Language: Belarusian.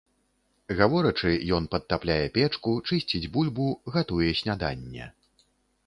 Гаворачы, ён падтапляе печку, чысціць бульбу, гатуе сняданне.